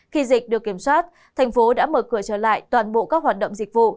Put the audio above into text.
khi dịch được kiểm soát thành phố đã mở cửa trở lại toàn bộ các hoạt động dịch vụ